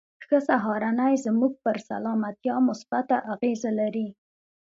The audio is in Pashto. ښه سهارنۍ زموږ پر سلامتيا مثبته اغېزه لري.